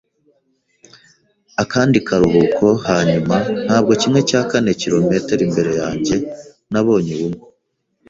Akandi karuhuko, hanyuma, ntabwo kimwe cya kane kirometero imbere yanjye, nabonye Ubumwe